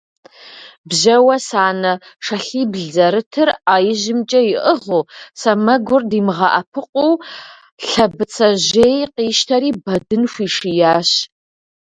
Бжьэуэ санэ шалъибл зэрытыр Ӏэ ижьымкӀэ иӀыгъыу, сэмэгур димыгъэӀэпыкъуу Лъэбыцэжьей къищтэри Бэдын хуишиящ.